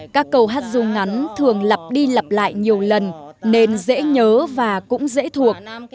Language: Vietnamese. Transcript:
các câu hát ru ngắn thường lặp đi lặp lại nhiều lần nên dễ nhớ và cũng dễ thuộc